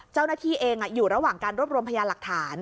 เจ้าหน้าที่เองอยู่ระหว่างการรวบรวมพยานหลักฐาน